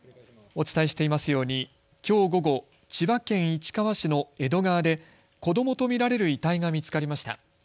お伝えしていますようにきょう午後、千葉県市川市の江戸川で子どもと見られる遺体が見つかりました。